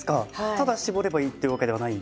ただ絞ればいいってわけではない？